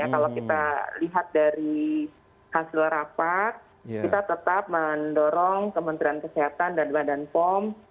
kalau kita lihat dari hasil rapat kita tetap mendorong kementerian kesehatan dan badan pom